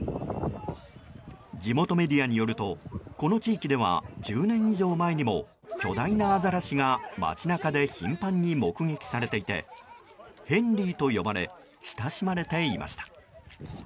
地元メディアによるとこの地域では１０年以上前にも巨大なアザラシが街中で頻繁に目撃されていてヘンリーと呼ばれ親しまれていました。